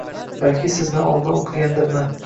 Balki sizdan oldin o‘qigandirman